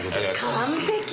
完璧！